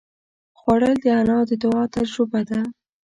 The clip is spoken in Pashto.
خوړل د انا د دعا تجربه ده